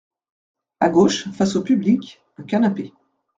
À gauche, face au public, un canapé.